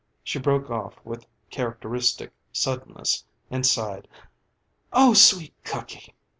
She broke of with characteristic suddenness and sighed, "Oh, sweet cooky!"